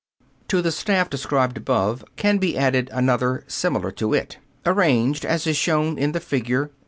To the staff described above can be added another similar to it, arranged as is shown in the figure.